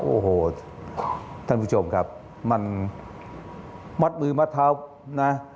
โอ้โหท่านผู้ชมครับมันมัดมือมัดเท้านะ